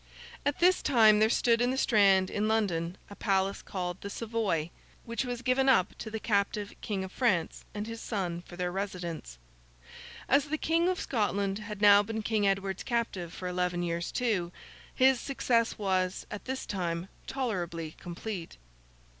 At this time there stood in the Strand, in London, a palace called the Savoy, which was given up to the captive King of France and his son for their residence. As the King of Scotland had now been King Edward's captive for eleven years too, his success was, at this time, tolerably complete.